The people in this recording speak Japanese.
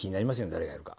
誰がやるか。